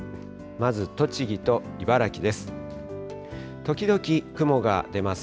まず栃木と茨城です。